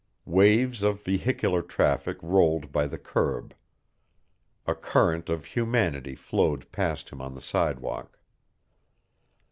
Waves of vehicular traffic rolled by the curb. A current of humanity flowed past him on the sidewalk.